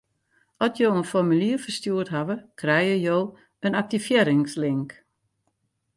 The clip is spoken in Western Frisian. At jo it formulier ferstjoerd hawwe, krijge jo in aktivearringslink.